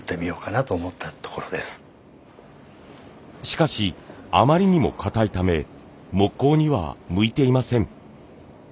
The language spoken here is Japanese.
しかしあまりにもかたいため木工には向いていません。